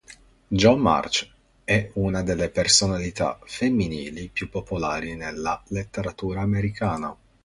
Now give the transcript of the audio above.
Jo March è una delle personalità femminili più popolari nella letteratura americana.